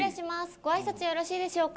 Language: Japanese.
ごあいさつよろしいでしょうか？